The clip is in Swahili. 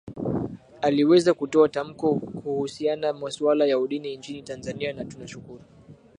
aliweza kutoa tamko kuhusiana masuala ya udini nchini tanzania na tunashukuru